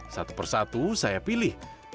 satu persatu saya pilih